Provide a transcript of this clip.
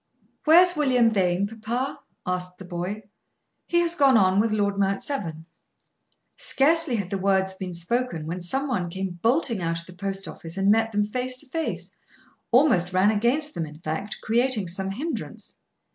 "Where's William Vane, papa?" asked the boy. "He has gone on with Lord Mount Severn." Scarcely had the words been spoken, when some one came bolting out of the post office, and met them face to face; almost ran against them in fact, creating some hindrance.